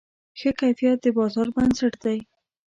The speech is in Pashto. ښه کیفیت د بازار بنسټ دی.